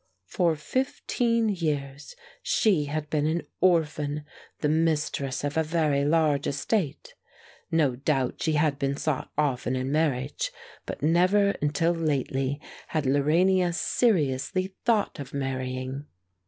For fifteen years she had been an orphan, the mistress of a very large estate. No doubt she had been sought often in marriage, but never until lately had Lorania seriously thought of marrying.